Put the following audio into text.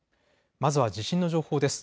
まずは地震の情報です。